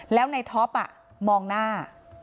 แล้วในท็อปมองหน้า